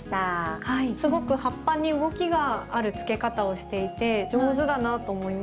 すごく葉っぱに動きがあるつけ方をしていて上手だなと思いました。